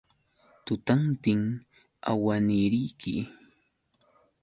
Tutantin awaniriki.